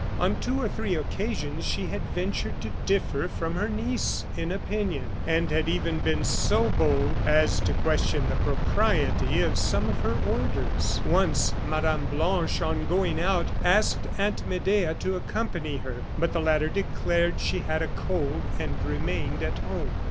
On two or three occasions she had ventured to differ from her niece in opinion, and had even been so bold as to question the propriety of some of her orders. Once Mme. Blanche, on going out, asked Aunt Medea to accompany her; but the latter declared she had a cold, and remained at home.